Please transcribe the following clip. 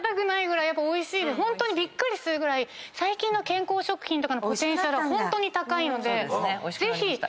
ホントにびっくりするぐらい最近の健康食品とかのポテンシャルはホントに高いのでぜひ。